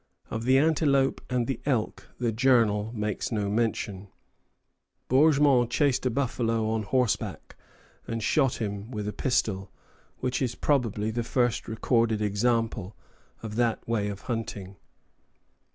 Of the antelope and the elk the journal makes no mention. Bourgmont chased a buffalo on horseback and shot him with a pistol, which is probably the first recorded example of that way of hunting.